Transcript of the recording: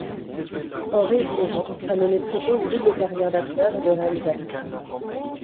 Henri Étiévant a mené très tôt une double carrière d'acteur et de réalisateur.